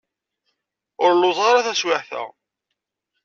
Ur lluẓeɣ ara taswiεt-a.